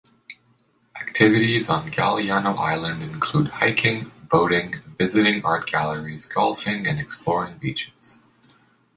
Activities on Galiano Island include hiking, boating, visiting art galleries, golfing and exploring beaches.